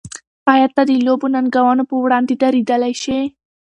آیا ته د لویو ننګونو پر وړاندې درېدلی شې؟